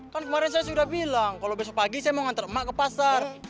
kan kemarin saya sudah bilang kalau besok pagi saya mau ngantar emak ke pasar